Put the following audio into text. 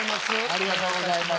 ありがとうございます。